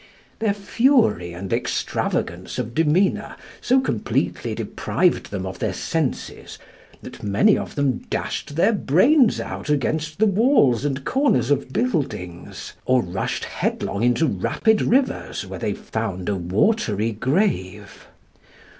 Their fury and extravagance of demeanour so completely deprived them of their senses, that many of them dashed their brains out against the walls and corners of buildings, or rushed headlong into rapid rivers, where they found a watery grave.